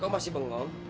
kok masih bengong